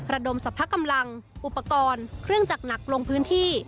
ระดมสรรพกำลังอุปกรณ์เครื่องจักรหนักลงพื้นที่